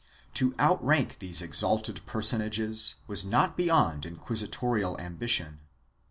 To outrank these exalted per sonages was .not beyond inquisitorial ambition.